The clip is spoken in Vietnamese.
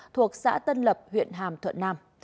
thuộc xã tân lập huyện hàm thuận nam